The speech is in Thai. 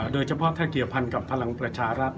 โดยเฉพาะถ้าเกี่ยวพันกับพลังประชารัฐ